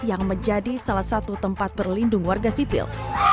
yang menjadi salah satu tempat berlindung warga sipil